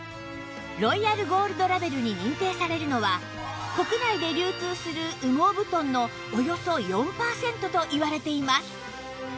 ロイヤルゴールドラベルに認定されるのは国内で流通する羽毛布団のおよそ４パーセントといわれています